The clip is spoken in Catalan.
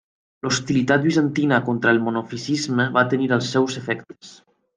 L'hostilitat bizantina contra el monofisisme va tenir els seus efectes.